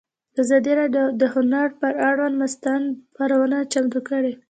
ازادي راډیو د هنر پر اړه مستند خپرونه چمتو کړې.